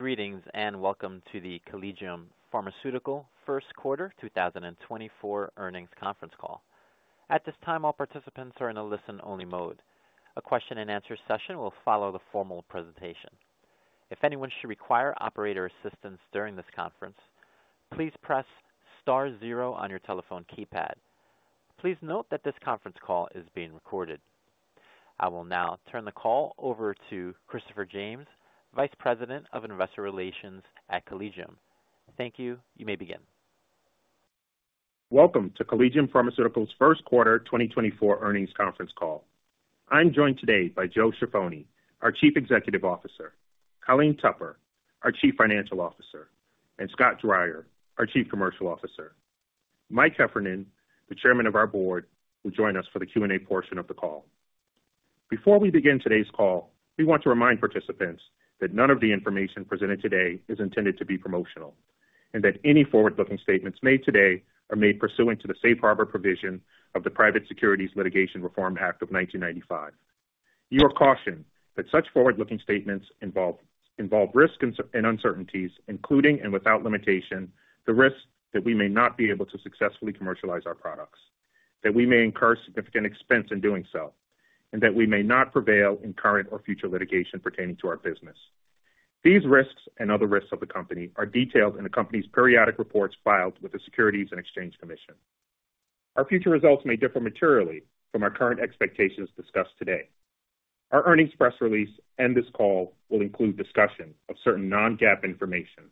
Greetings and welcome to the Collegium Pharmaceutical Q1 2024 Earnings Conference Call. At this time, all participants are in a listen-only mode. A question-and-answer session will follow the formal presentation. If anyone should require operator assistance during this conference, please press *0 on your telephone keypad. Please note that this conference call is being recorded. I will now turn the call over to Christopher James, Vice President of Investor Relations at Collegium. Thank you. You may begin. Welcome to Collegium Pharmaceutical's Q1 2024 earnings conference call. I'm joined today by Joe Ciaffoni, our Chief Executive Officer, Colleen Tupper, our Chief Financial Officer, and Scott Dreyer, our Chief Commercial Officer. Mike Heffernan, the Chairman of our Board, who joined us for the Q&A portion of the call. Before we begin today's call, we want to remind participants that none of the information presented today is intended to be promotional, and that any forward-looking statements made today are made pursuant to the Safe Harbor Provision of the Private Securities Litigation Reform Act of 1995. You are cautioned that such forward-looking statements involve risk and uncertainties, including and without limitation, the risk that we may not be able to successfully commercialize our products, that we may incur significant expense in doing so, and that we may not prevail in current or future litigation pertaining to our business. These risks and other risks of the company are detailed in the company's periodic reports filed with the Securities and Exchange Commission. Our future results may differ materially from our current expectations discussed today. Our earnings press release and this call will include discussion of certain non-GAAP information.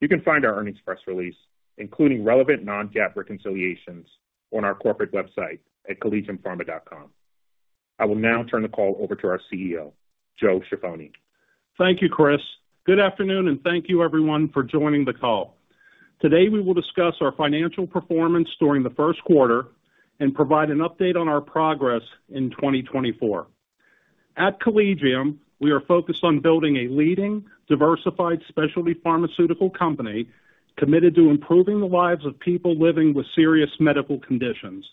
You can find our earnings press release, including relevant non-GAAP reconciliations, on our corporate website at collegiumpharma.com. I will now turn the call over to our CEO, Joe Ciaffoni. Thank you, Chris. Good afternoon, and thank you, everyone, for joining the call. Today we will discuss our financial performance during the Q1 and provide an update on our progress in 2024. At Collegium, we are focused on building a leading, diversified specialty pharmaceutical company committed to improving the lives of people living with serious medical conditions.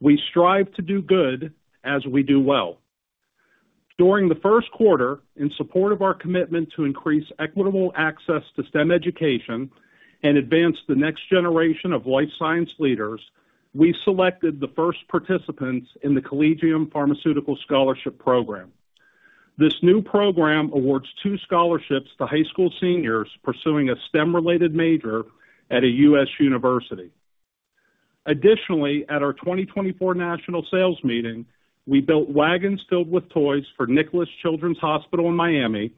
We strive to do good as we do well. During the Q1, in support of our commitment to increase equitable access to STEM education and advance the next generation of life science leaders, we selected the first participants in the Collegium Pharmaceutical Scholarship Program. This new program awards two scholarships to high school seniors pursuing a STEM-related major at a U.S. university. Additionally, at our 2024 national sales meeting, we built wagons filled with toys for Nicklaus Children's Hospital in Miami,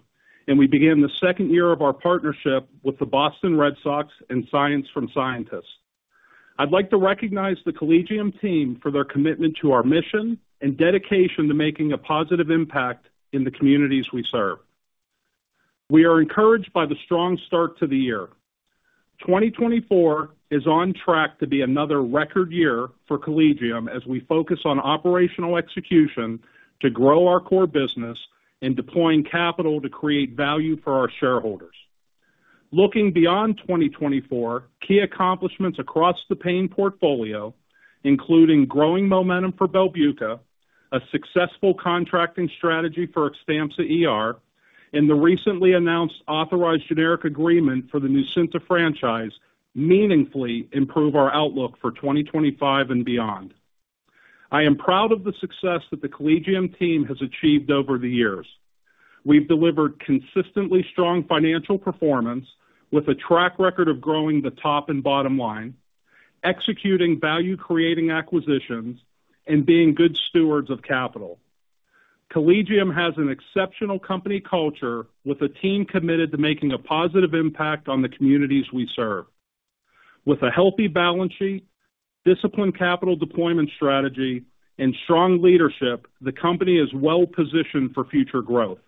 and we began the second year of our partnership with the Boston Red Sox and Science from Scientists. I'd like to recognize the Collegium team for their commitment to our mission and dedication to making a positive impact in the communities we serve. We are encouraged by the strong start to the year. 2024 is on track to be another record year for Collegium as we focus on operational execution to grow our core business and deploying capital to create value for our shareholders. Looking beyond 2024, key accomplishments across the pain portfolio, including growing momentum for Belbuca, a successful contracting strategy for Xtampza ER and the recently announced authorized generic agreement for the Nucynta franchise, meaningfully improve our outlook for 2025 and beyond. I am proud of the success that the Collegium team has achieved over the years. We've delivered consistently strong financial performance with a track record of growing the top and bottom line, executing value-creating acquisitions, and being good stewards of capital. Collegium has an exceptional company culture with a team committed to making a positive impact on the communities we serve. With a healthy balance sheet, disciplined capital deployment strategy, and strong leadership, the company is well-positioned for future growth.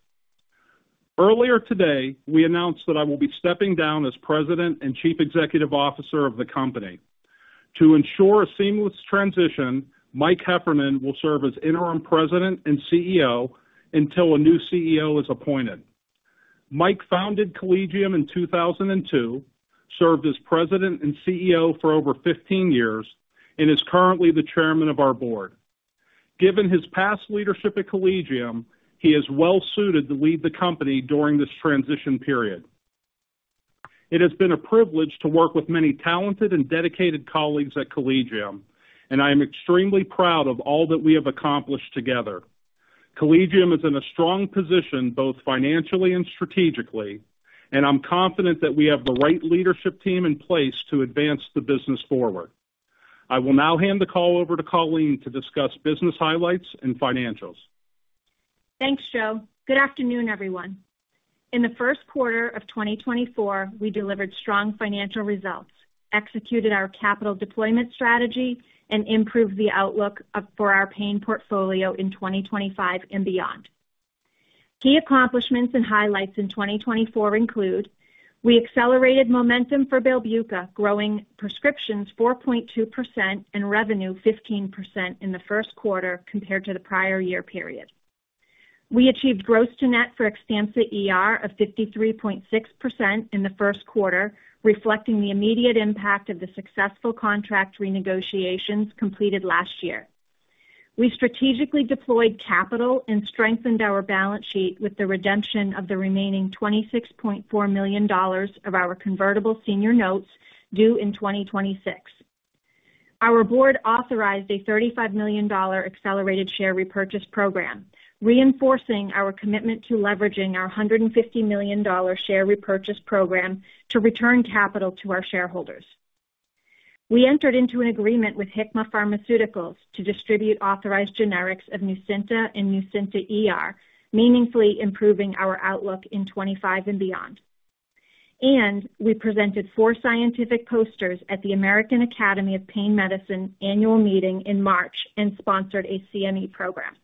Earlier today, we announced that I will be stepping down as President and Chief Executive Officer of the company. To ensure a seamless transition, Mike Heffernan will serve as interim President and CEO until a new CEO is appointed. Mike founded Collegium in 2002, served as President and CEO for over 15 years, and is currently the Chairman of our Board. Given his past leadership at Collegium, he is well-suited to lead the company during this transition period. It has been a privilege to work with many talented and dedicated colleagues at Collegium, and I am extremely proud of all that we have accomplished together. Collegium is in a strong position both financially and strategically, and I'm confident that we have the right leadership team in place to advance the business forward. I will now hand the call over to Colleen to discuss business highlights and financials. Thanks, Joe. Good afternoon, everyone. In the Q1 of 2024, we delivered strong financial results, executed our capital deployment strategy, and improved the outlook for our pain portfolio in 2025 and beyond. Key accomplishments and highlights in 2024 include: we accelerated momentum for Belbuca, growing prescriptions 4.2% and revenue 15% in the Q1 compared to the prior year period. We achieved gross-to-net for Xtampza ER of 53.6% in the Q1, reflecting the immediate impact of the successful contract renegotiations completed last year. We strategically deployed capital and strengthened our balance sheet with the redemption of the remaining $26.4 million of our convertible senior notes due in 2026. Our Board authorized a $35 million accelerated share repurchase program, reinforcing our commitment to leveraging our $150 million share repurchase program to return capital to our shareholders. We entered into an agreement with Hikma Pharmaceuticals to distribute authorized generics of Nucynta and Nucynta meaningfully improving our outlook in 2025 and beyond. We presented four scientific posters at the American Academy of Pain Medicine annual meeting in March and sponsored a CME program.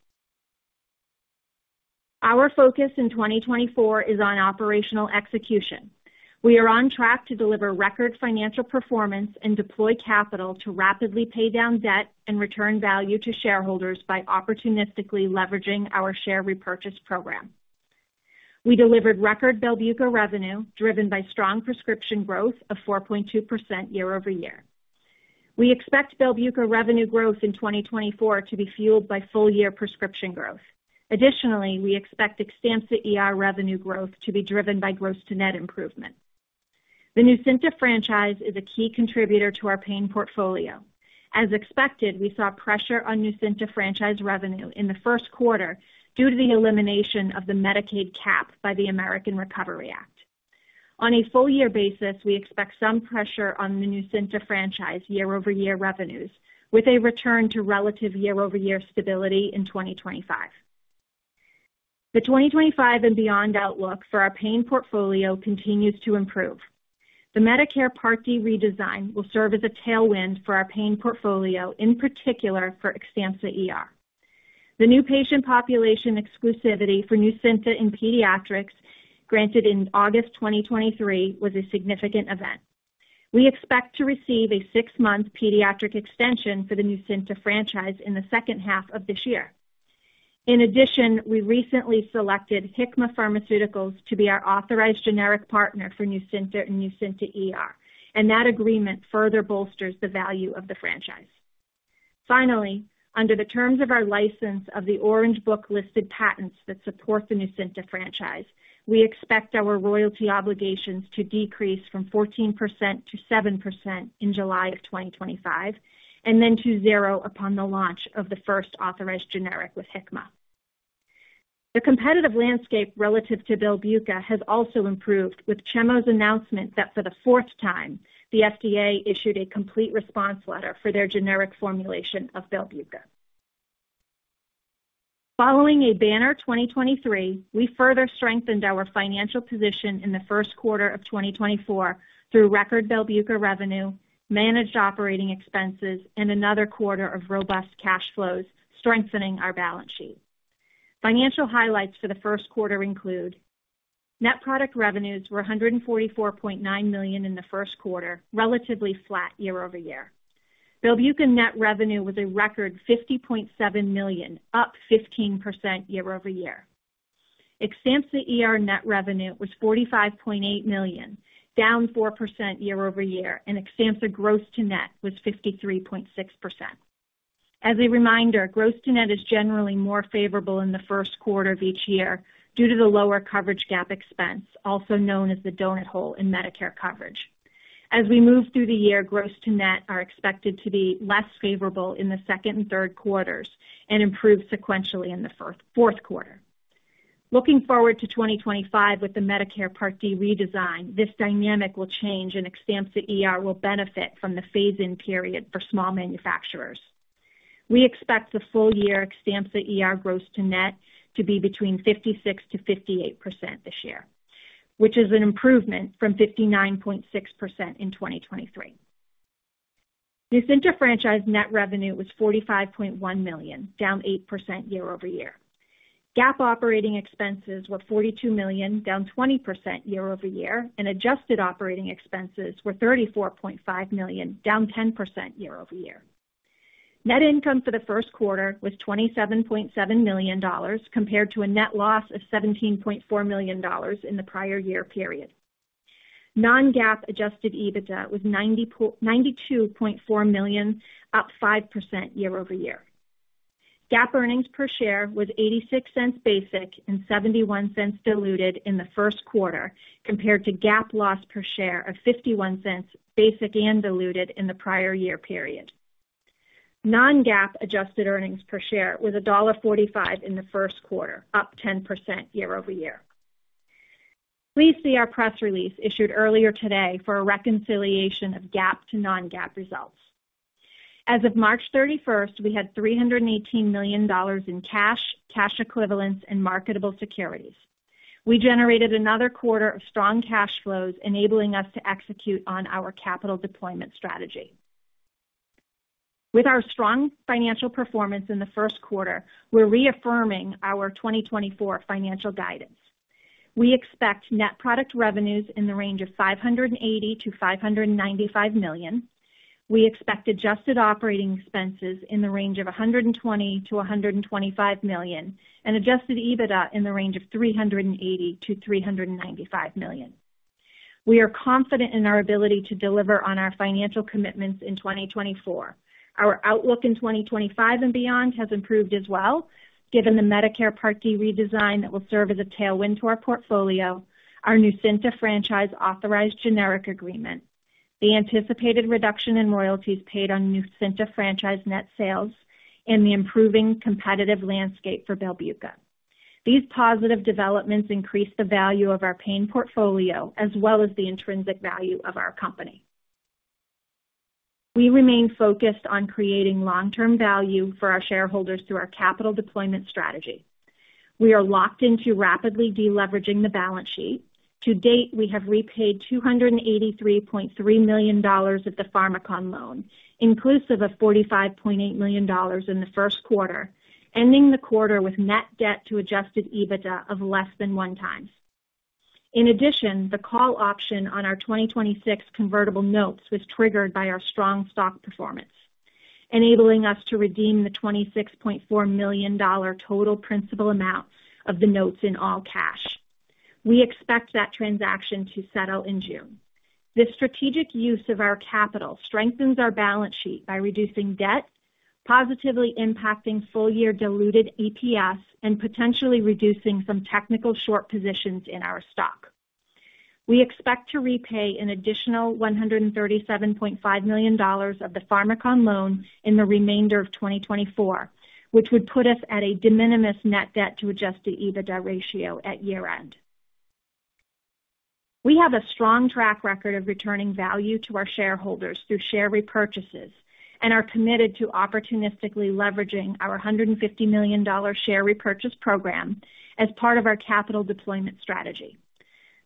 Our focus in 2024 is on operational execution. We are on track to deliver record financial performance and deploy capital to rapidly pay down debt and return value to shareholders by opportunistically leveraging our share repurchase program. We delivered record Belbuca revenue driven by strong prescription growth of 4.2% year-over-year. We expect Belbuca revenue growth in 2024 to be fueled by full-year prescription growth. Additionally, we expect Xtampza ER revenue growth to be driven by gross-to-net improvement. The Nucynta franchise is a key contributor to our pain portfolio. As expected, we saw pressure on Nucynta franchise revenue in the Q1 due to the elimination of the Medicaid cap by the American Rescue Plan Act. On a full-year basis, we expect some pressure on the Nucynta franchise year-over-year revenues, with a return to relative year-over-year stability in 2025. The 2025 and beyond outlook for our pain portfolio continues to improve. The Medicare Part D Redesign will serve as a tailwind for our pain portfolio, in particular for Xtampza ER. The new pediatric exclusivity for Nucynta in pediatrics, granted in August 2023, was a significant event. We expect to receive a six-month pediatric extension for the Nucynta franchise in the H2 of this year. In addition, we recently selected Hikma Pharmaceuticals to be our authorized generic partner for Nucynta and Nucynta and that agreement further bolsters the value of the franchise. Finally, under the terms of our license of the Orange Book listed patents that support the Nucynta franchise, we expect our royalty obligations to decrease from 14% to 7% in July of 2025, and then to 0 upon the launch of the first authorized generic with Hikma. The competitive landscape relative to Belbuca has also improved, with Chemo's announcement that for the fourth time, the FDA issued a complete response letter for their generic formulation of Belbuca. Following a banner 2023, we further strengthened our financial position in the Q1 of 2024 through record Belbuca revenue, managed operating expenses, and another quarter of robust cash flows, strengthening our balance sheet. Financial highlights for the Q1 include: net product revenues were $144.9 million in the Q1, relatively flat year-over-year. Belbuca net revenue was a record $50.7 million, up 15% year-over-year. Xtampza ER net revenue was $45.8 million, down 4% year-over-year, and Xtampza ER gross-to-net was 53.6%. As a reminder, gross-to-net is generally more favorable in the Q1 of each year due to the lower coverage gap expense, also known as the donut hole in Medicare coverage. As we move through the year, gross-to-net are expected to be less favorable in the Q2 and Q3 and improve sequentially in the Q4. Looking forward to 2025 with the Medicare Part D Redesign, this dynamic will change, and Xtampza ER will benefit from the phase-in period for small manufacturers. We expect the full-year Xtampza ER gross-to-net to be between 56%-58% this year, which is an improvement from 59.6% in 2023. Nucynta franchise net revenue was $45.1 million, down 8% year-over-year. GAAP operating expenses were $42 million, down 20% year-over-year, and adjusted operating expenses were $34.5 million, down 10% year-over-year. Net income for the Q1 was $27.7 million, compared to a net loss of $17.4 million in the prior year period. Non-GAAP adjusted EBITDA was $92.4 million, up 5% year-over-year. GAAP earnings per share was $0.86 basic and $0.71 diluted in the Q1, compared to GAAP loss per share of $0.51 basic and diluted in the prior year period. Non-GAAP adjusted earnings per share was $1.45 in the Q1, up 10% year-over-year. Please see our press release issued earlier today for a reconciliation of GAAP to non-GAAP results. As of March 31st, we had $318 million in cash, cash equivalents, and marketable securities. We generated another quarter of strong cash flows, enabling us to execute on our capital deployment strategy. With our strong financial performance in the Q1, we're reaffirming our 2024 financial guidance. We expect net product revenues in the range of $580 million-$595 million. We expect adjusted operating expenses in the range of $120 million-$125 million, and Adjusted EBITDA in the range of $380 million-$395 million. We are confident in our ability to deliver on our financial commitments in 2024. Our outlook in 2025 and beyond has improved as well, given the Medicare Part D Redesign that will serve as a tailwind to our portfolio, our Nucynta franchise Authorized Generic agreement, the anticipated reduction in royalties paid on Nucynta franchise net sales, and the improving competitive landscape for Belbuca. These positive developments increase the value of our pain portfolio as well as the intrinsic value of our company. We remain focused on creating long-term value for our shareholders through our capital deployment strategy. We are locked into rapidly deleveraging the balance sheet. To date, we have repaid $283.3 million of the Pharmakon loan, inclusive of $45.8 million in the Q1, ending the quarter with net debt to adjusted EBITDA of less than one time. In addition, the call option on our 2026 convertible notes was triggered by our strong stock performance, enabling us to redeem the $26.4 million total principal amount of the notes in all cash. We expect that transaction to settle in June. This strategic use of our capital strengthens our balance sheet by reducing debt, positively impacting full-year diluted EPS, and potentially reducing some technical short positions in our stock. We expect to repay an additional $137.5 million of the Pharmakon loan in the remainder of 2024, which would put us at a de minimis net debt to adjusted EBITDA ratio at year-end. We have a strong track record of returning value to our shareholders through share repurchases, and are committed to opportunistically leveraging our $150 million share repurchase program as part of our capital deployment strategy.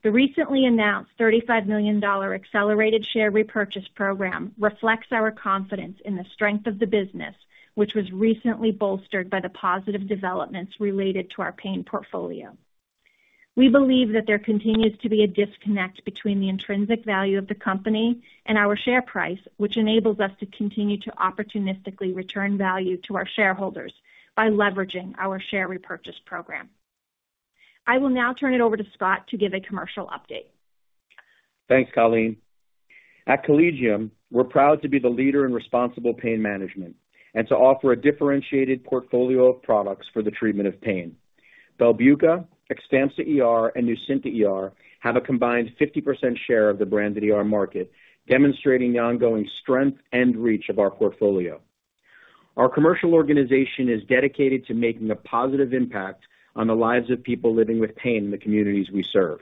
The recently announced $35 million accelerated share repurchase program reflects our confidence in the strength of the business, which was recently bolstered by the positive developments related to our pain portfolio. We believe that there continues to be a disconnect between the intrinsic value of the company and our share price, which enables us to continue to opportunistically return value to our shareholders by leveraging our share repurchase program. I will now turn it over to Scott to give a commercial update. Thanks, Colleen. At Collegium, we're proud to be the leader in responsible pain management and to offer a differentiated portfolio of products for the treatment of pain. Belbuca, Xtampza ER and Nucynta have a combined 50% share of the branded market, demonstrating the ongoing strength and reach of our portfolio. Our commercial organization is dedicated to making a positive impact on the lives of people living with pain in the communities we serve.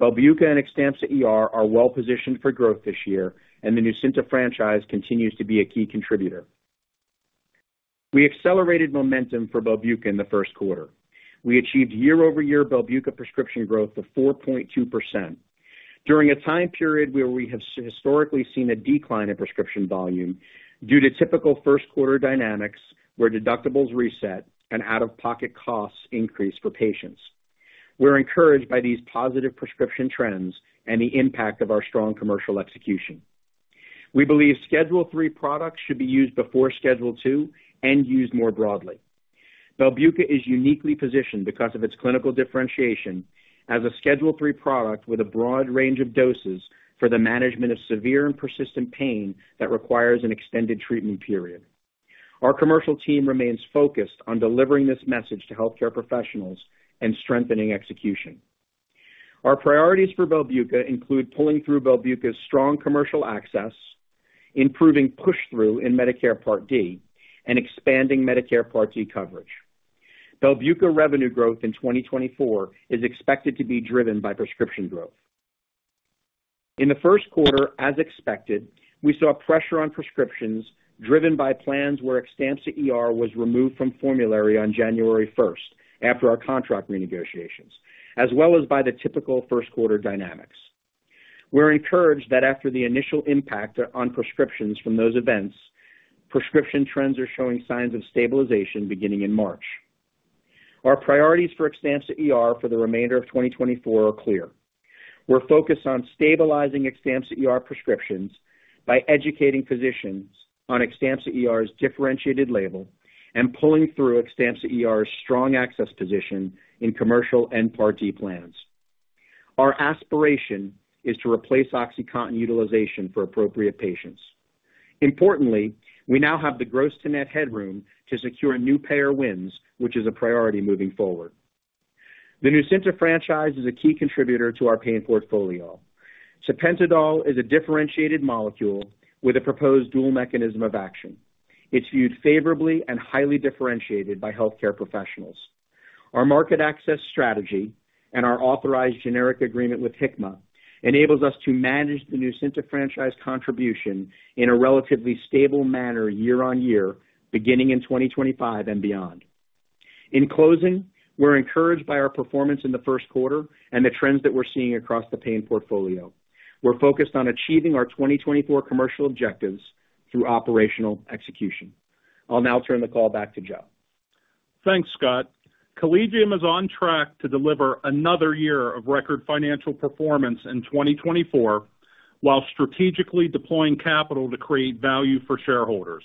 Belbuca and Xtampza ER are well-positioned for growth this year, and the Nucynta franchise continues to be a key contributor. We accelerated momentum for Belbuca in the Q1. We achieved year-over-year Belbuca prescription growth of 4.2%. During a time period where we have historically seen a decline in prescription volume due to typical first-quarter dynamics where deductibles reset and out-of-pocket costs increase for patients, we're encouraged by these positive prescription trends and the impact of our strong commercial execution. We believe Schedule III products should be used before Schedule II and used more broadly. Belbuca is uniquely positioned because of its clinical differentiation as a Schedule III product with a broad range of doses for the management of severe and persistent pain that requires an extended treatment period. Our commercial team remains focused on delivering this message to healthcare professionals and strengthening execution. Our priorities for Belbuca include pulling through Belbuca's strong commercial access, improving push-through in Medicare Part D, and expanding Medicare Part D coverage. Belbuca revenue growth in 2024 is expected to be driven by prescription growth. In the Q1, as expected, we saw pressure on prescriptions driven by plans where Xtampza ER was removed from formulary on January 1st after our contract renegotiations, as well as by the typical first-quarter dynamics. We're encouraged that after the initial impact on prescriptions from those events, prescription trends are showing signs of stabilization beginning in March. Our priorities for Xtampza ER for the remainder of 2024 are clear. We're focused on stabilizing Xtampza ER prescriptions by educating physicians on Xtampza ER's differentiated label and pulling through Xtampza ER's strong access position in commercial and Part D plans. Our aspiration is to replace OxyContin utilization for appropriate patients. Importantly, we now have the gross-to-net headroom to secure new payer wins, which is a priority moving forward. The Nucynta franchise is a key contributor to our pain portfolio. Tapentadol is a differentiated molecule with a proposed dual mechanism of action. It's viewed favorably and highly differentiated by healthcare professionals. Our market access strategy and our authorized generic agreement with Hikma enables us to manage the Nucynta franchise contribution in a relatively stable manner year on year, beginning in 2025 and beyond. In closing, we're encouraged by our performance in the Q1 and the trends that we're seeing across the pain portfolio. We're focused on achieving our 2024 commercial objectives through operational execution. I'll now turn the call back to Joe. Thanks, Scott. Collegium is on track to deliver another year of record financial performance in 2024 while strategically deploying capital to create value for shareholders.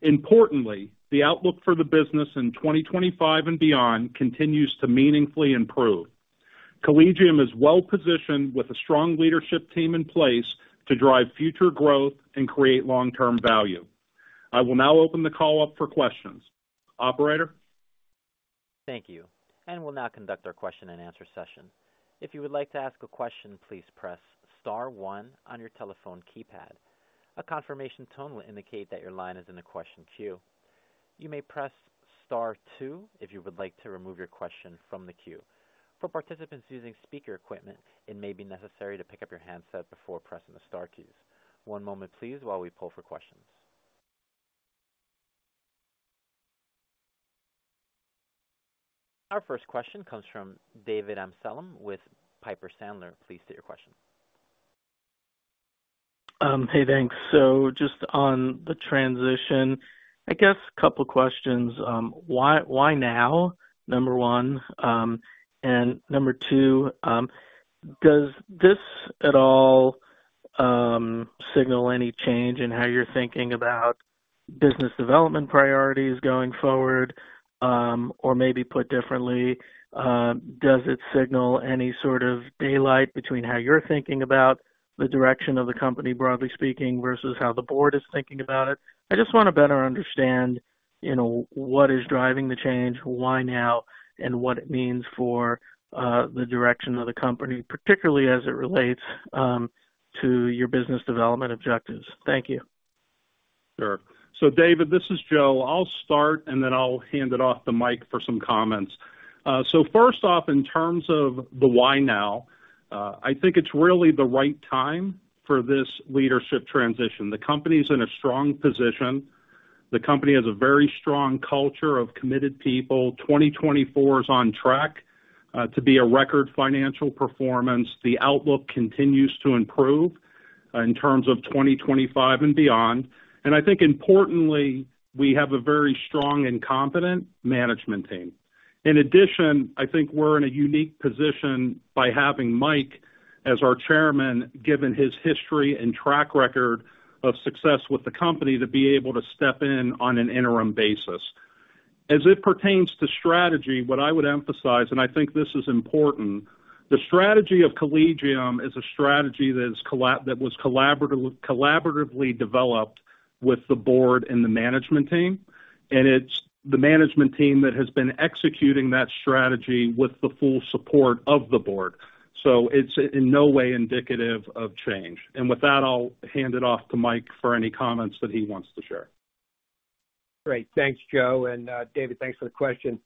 Importantly, the outlook for the business in 2025 and beyond continues to meaningfully improve. Collegium is well-positioned with a strong leadership team in place to drive future growth and create long-term value. I will now open the call up for questions. Operator? Thank you. And we'll now conduct our question-and-answer session. If you would like to ask a question, please press *1 on your telephone keypad. A confirmation tone will indicate that your line is in the question queue. You may press *2 if you would like to remove your question from the queue. For participants using speaker equipment, it may be necessary to pick up your handset before pressing the *2s. One moment, please, while we pull for questions. Our first question comes from David Amsellem with Piper Sandler. Please state your question. Hey, thanks. So just on the transition, I guess a couple of questions. Why now, number one? And number two, does this at all signal any change in how you're thinking about business development priorities going forward? Or maybe put differently, does it signal any sort of daylight between how you're thinking about the direction of the company, broadly speaking, versus how the board is thinking about it? I just want to better understand what is driving the change, why now, and what it means for the direction of the company, particularly as it relates to your business development objectives. Thank you. Sure. So David, this is Joe. I'll start, and then I'll hand it off to Mike for some comments. So first off, in terms of the why now, I think it's really the right time for this leadership transition. The company's in a strong position. The company has a very strong culture of committed people. 2024 is on track to be a record financial performance. The outlook continues to improve in terms of 2025 and beyond. And I think, importantly, we have a very strong and competent management team. In addition, I think we're in a unique position by having Mike as our chairman, given his history and track record of success with the company, to be able to step in on an interim basis. As it pertains to strategy, what I would emphasize, and I think this is important, the strategy of Collegium is a strategy that was collaboratively developed with the board and the management team. It's the management team that has been executing that strategy with the full support of the board. It's in no way indicative of change. With that, I'll hand it off to Mike for any comments that he wants to share. Great. Thanks, Joe. And David, thanks for the question.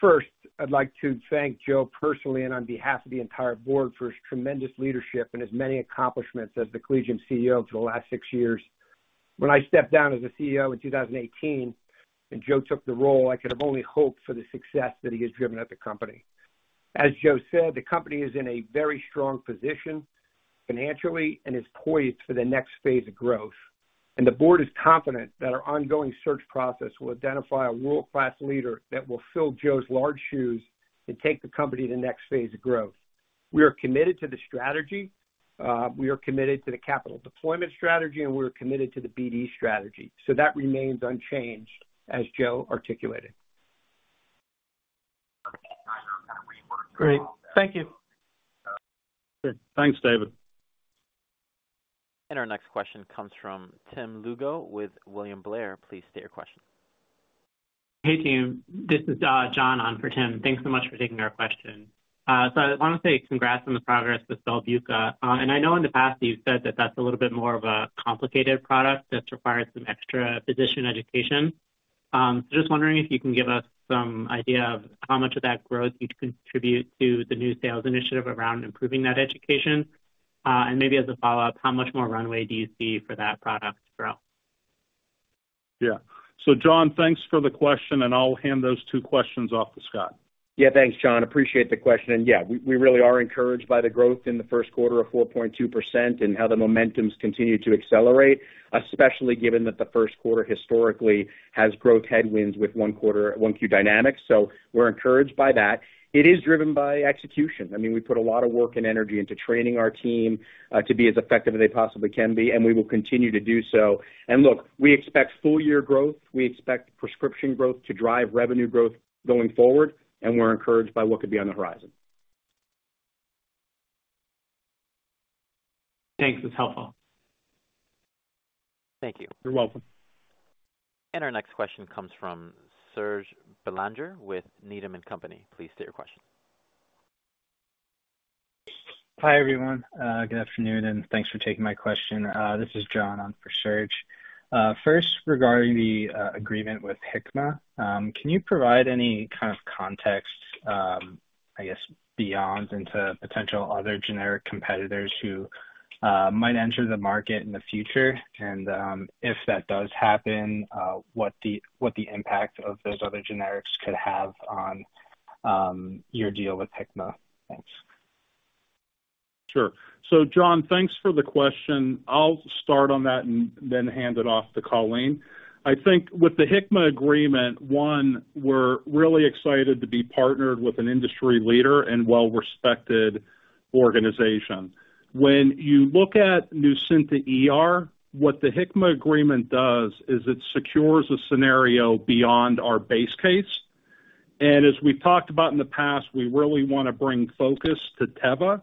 First, I'd like to thank Joe personally and on behalf of the entire board for his tremendous leadership and his many accomplishments as the Collegium CEO for the last six years. When I stepped down as the CEO in 2018 and Joe took the role, I could have only hoped for the success that he has driven at the company. As Joe said, the company is in a very strong position financially and is poised for the next phase of growth. And the board is confident that our ongoing search process will identify a world-class leader that will fill Joe's large shoes and take the company to the next phase of growth. We are committed to the strategy. We are committed to the capital deployment strategy, and we are committed to the BD strategy. So that remains unchanged, as Joe articulated. Great. Thank you. Good. Thanks, David. Our next question comes from Tim Lugo with William Blair. Please state your question. Hey, team. This is John on for Tim. Thanks so much for taking our question. I want to say congrats on the progress with Belbuca. And I know in the past you've said that that's a little bit more of a complicated product that's required some extra physician education. Just wondering if you can give us some idea of how much of that growth you'd contribute to the new sales initiative around improving that education? And maybe as a follow-up, how much more runway do you see for that product to grow? Yeah. So John, thanks for the question, and I'll hand those two questions off to Scott. Yeah, thanks, John. Appreciate the question. And yeah, we really are encouraged by the growth in the Q1 of 4.2% and how the momentum's continued to accelerate, especially given that the Q1 historically has growth headwinds with Q1 Dynamics. So we're encouraged by that. It is driven by execution. I mean, we put a lot of work and energy into training our team to be as effective as they possibly can be, and we will continue to do so. And look, we expect full-year growth. We expect prescription growth to drive revenue growth going forward, and we're encouraged by what could be on the horizon. Thanks. That's helpful. Thank you. You're welcome. Our next question comes from Serge Belanger with Needham & Company. Please state your question. Hi, everyone. Good afternoon, and thanks for taking my question. This is John on for Serge. First, regarding the agreement with Hikma, can you provide any kind of context, I guess, beyond into potential other generic competitors who might enter the market in the future? And if that does happen, what the impact of those other generics could have on your deal with Hikma. Thanks. Sure. So John, thanks for the question. I'll start on that and then hand it off to Colleen. I think with the Hikma agreement, one, we're really excited to be partnered with an industry leader and well-respected organization. When you look at Nucynta, what the Hikma agreement does is it secures a scenario beyond our base case. And as we've talked about in the past, we really want to bring focus to Teva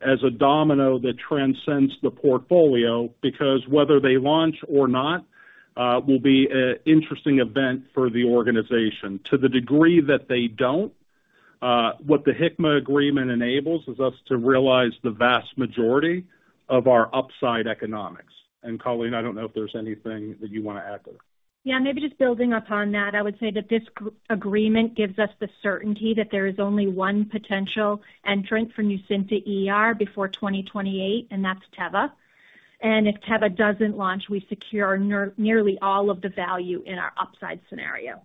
as a domino that transcends the portfolio because whether they launch or not will be an interesting event for the organization. To the degree that they don't, what the Hikma agreement enables is us to realize the vast majority of our upside economics. And Colleen, I don't know if there's anything that you want to add to that. Yeah, maybe just building upon that, I would say that this agreement gives us the certainty that there is only one potential entrant for Nucynta before 2028, and that's Teva. And if Teva doesn't launch, we secure nearly all of the value in our upside scenario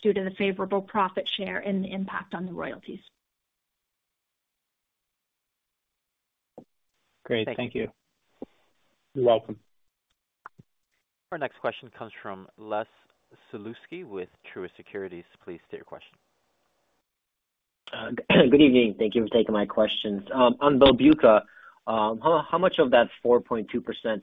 due to the favorable profit share and the impact on the royalties. Great. Thank you. You're welcome. Our next question comes from Les Sulewski with Truist Securities. Please state your question. Good evening. Thank you for taking my questions. On Belbuca, how much of that 4.2%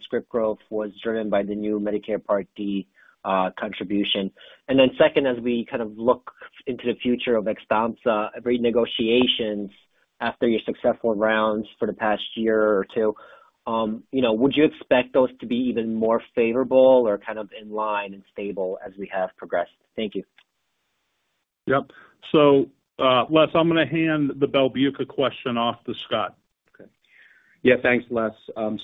script growth was driven by the new Medicare Part D contribution? Then second, as we kind of look into the future of Xtampza ER, renegotiations after your successful rounds for the past year or two, would you expect those to be even more favorable or kind of in line and stable as we have progressed? Thank you. Yep. So Les, I'm going to hand the Belbuca question off to Scott. Okay. Yeah, thanks, Les.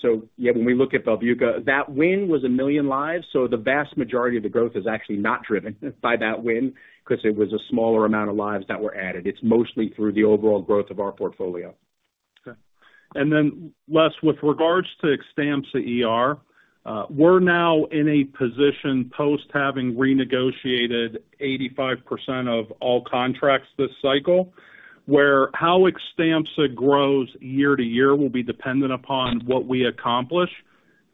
So yeah, when we look at Belbuca, that win was 1 million lives. So the vast majority of the growth is actually not driven by that win because it was a smaller amount of lives that were added. It's mostly through the overall growth of our portfolio. Okay. And then, Les, with regards to Xtampza ER we're now in a position post having renegotiated 85% of all contracts this cycle where how Xtampza ER grows year to year will be dependent upon what we accomplish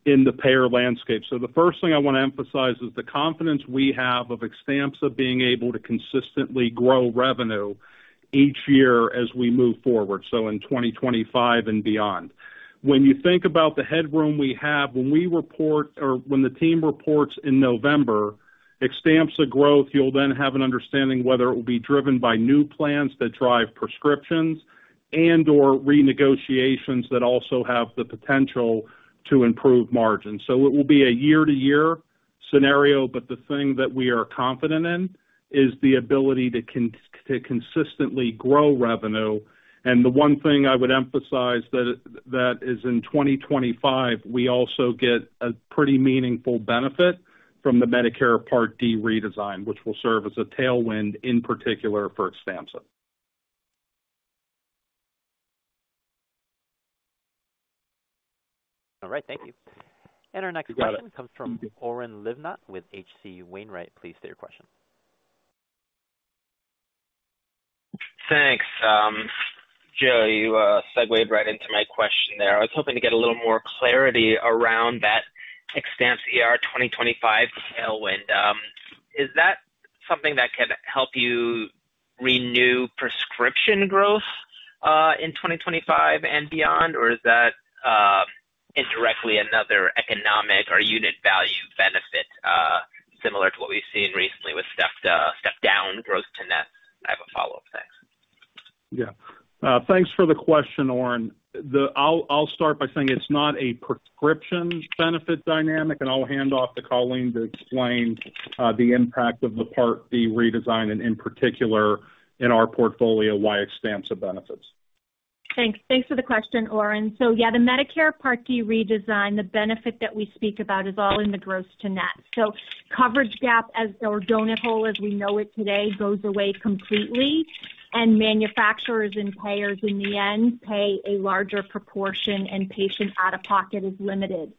in the payer landscape. So the first thing I want to emphasize is the confidence we have of Xtampza ER being able to consistently grow revenue each year as we move forward, so in 2025 and beyond. When you think about the headroom we have, when we report or when the team reports in November Xtampza ER growth, you'll then have an understanding whether it will be driven by new plans that drive prescriptions and/or renegotiations that also have the potential to improve margins. So it will be a year-to-year scenario, but the thing that we are confident in is the ability to consistently grow revenue. The one thing I would emphasize that is in 2025, we also get a pretty meaningful benefit from the Medicare Part D Redesign, which will serve as a tailwind in particular for Xtampza ER. All right. Thank you. And our next question comes from Oren Livnat with H.C. Wainwright. Please state your question. Thanks, Joe. You segued right into my question there. I was hoping to get a little more clarity around that Xtampza ER 2025 tailwind. Is that something that can help you renew prescription growth in 2025 and beyond, or is that indirectly another economic or unit value benefit similar to what we've seen recently with stepped-down growth to net? I have a follow-up. Thanks. Yeah. Thanks for the question, Oren. I'll start by saying it's not a prescription benefit dynamic, and I'll hand off to Colleen to explain the impact of the Part D redesign and, in particular, in our portfolio, why Xtampza ER benefits. Thanks. Thanks for the question, Oren. So yeah, the Medicare Part D Redesign, the benefit that we speak about is all in the gross-to-net. So coverage gap or donut hole as we know it today goes away completely, and manufacturers and payers in the end pay a larger proportion, and patient out-of-pocket is limited.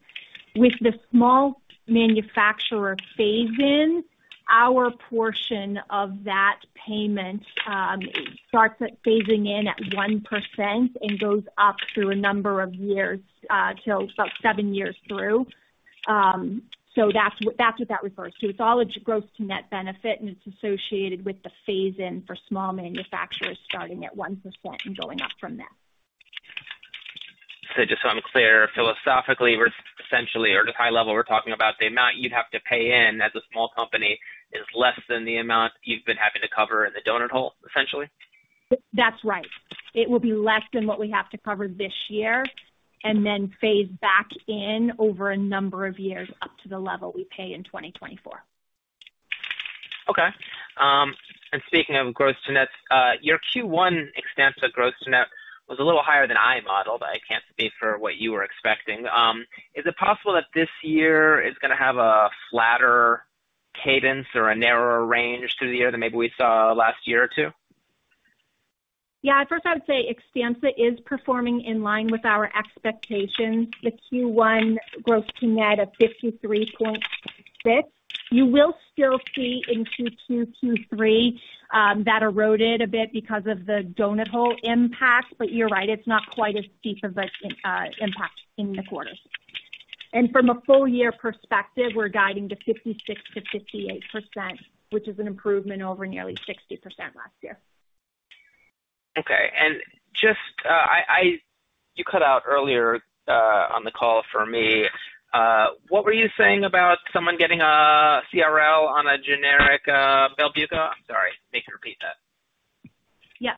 With the small manufacturer phase-in, our portion of that payment starts phasing in at 1% and goes up through a number of years, till about seven years through. So that's what that refers to. It's all a gross-to-net benefit, and it's associated with the phase-in for small manufacturers starting at 1% and going up from there. So just so I'm clear, philosophically, essentially, or at a high level, we're talking about the amount you'd have to pay in as a small company is less than the amount you've been having to cover in the donut hole, essentially? That's right. It will be less than what we have to cover this year and then phase back in over a number of years up to the level we pay in 2024. Okay. And speaking of gross-to-net, your Q1 Xtampza ER gross-to-net was a little higher than I modeled. I can't speak for what you were expecting. Is it possible that this year is going to have a flatter cadence or a narrower range through the year than maybe we saw last year or two? Yeah. First, I would say Xtampza ER is performing in line with our expectations, the Q1 growth to net of 53.6%. You will still see in Q2, Q3 that eroded a bit because of the donut hole impact, but you're right, it's not quite as steep of an impact in the quarters. And from a full-year perspective, we're guiding to 56%-58%, which is an improvement over nearly 60% last year. Okay. You cut out earlier on the call for me. What were you saying about someone getting a CRL on a generic Belbuca? I'm sorry. Make me repeat that. Yep.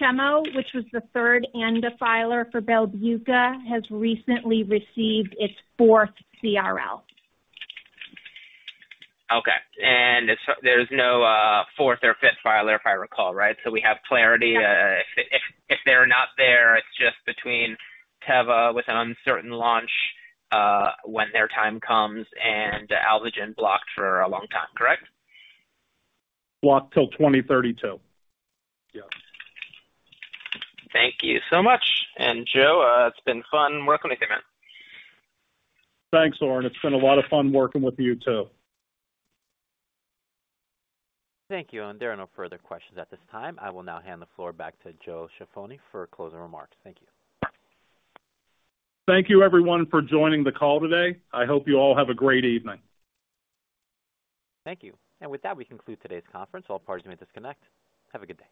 Chemo, which was the third ANDA filer for Belbuca, has recently received its fourth CRL. Okay. And there's no fourth or fifth filer, if I recall, right? So we have clarity. If they're not there, it's just between Teva with an uncertain launch when their time comes and Alvogen blocked for a long time, correct? Blocked till 2032. Yeah. Thank you so much. Joe, it's been fun working with you, man. Thanks, Oren. It's been a lot of fun working with you too. Thank you, Owen. There are no further questions at this time. I will now hand the floor back to Joe Ciaffoni for closing remarks. Thank you. Thank you, everyone, for joining the call today. I hope you all have a great evening. Thank you. With that, we conclude today's conference. All parties may disconnect. Have a good day.